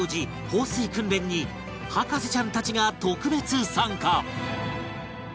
放水訓練に博士ちゃんたちが特別参加